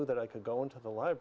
dan ada banyak musik